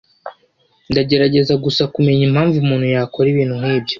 Ndagerageza gusa kumenya impamvu umuntu yakora ibintu nkibyo.